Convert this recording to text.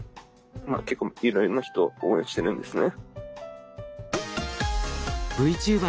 まあ結構いろいろな人を応援してるんですね。